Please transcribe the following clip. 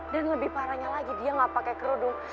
dan lebih parahnya lagi dia gak pake kerudung